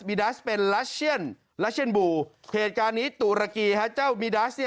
ัสเป็นลัชเชียนลาเชียนบูเหตุการณ์นี้ตุรกีฮะเจ้ามีดัสเนี่ย